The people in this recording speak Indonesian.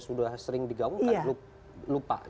sudah sering digaungkan lupa